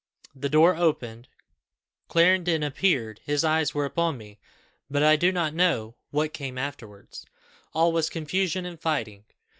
The door opened, Clarendon appeared his eyes were upon me; but I do not know what came afterwards; all was confusion and fighting.